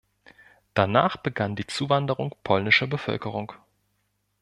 Danach begann die Zuwanderung polnischer Bevölkerung.